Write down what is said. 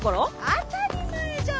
当たり前じゃん。